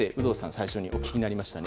最初にお聞きになりましたね。